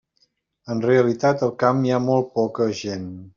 En realitat, al camp hi ha molt poca gent.